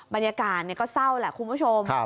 บรรยากาศก็เศร้าแหละคุณผู้ชม